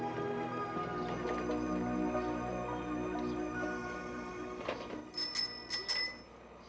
ini rumah lulus